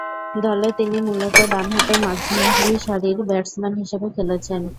দলে তিনি মূলতঃ ডানহাতে মাঝারিসারির ব্যাটসম্যান হিসেবে খেলছেন।